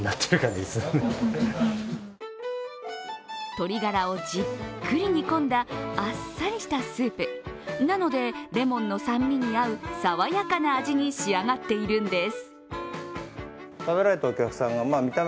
鶏ガラをじっくり煮込んだあっさりしたスープ、なのでレモンの酸味に合う爽やかな味に仕上がっているんです。